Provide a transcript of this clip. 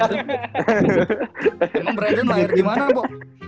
emang brandon lahir dimana bo